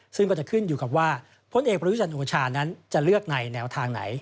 ซึ่งก็จะขึ้นอยู่กับว่าพลเอกประยุจันทร์โอชานั้นจะเลือกในแนวทางไหน